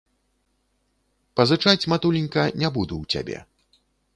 Пазычаць, матуленька, не буду ў цябе.